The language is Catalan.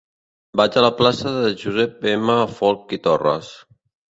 Vaig a la plaça de Josep M. Folch i Torres.